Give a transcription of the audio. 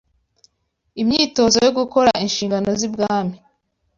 imyitozo yo gukora inshingano z’ibwami.